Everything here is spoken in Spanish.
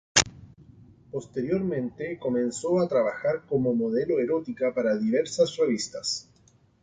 Posteriormente comenzó a trabajar como modelo erótica para diversas revistas.